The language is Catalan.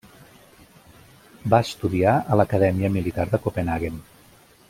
Va estudiar a l'Acadèmia Militar de Copenhaguen.